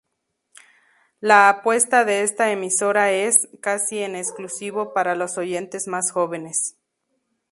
La apuesta de esta emisora es, casi en exclusivo, para los oyentes más jóvenes.